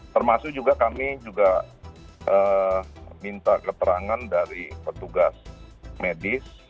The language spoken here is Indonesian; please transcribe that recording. termasuk juga kami juga minta keterangan dari petugas medis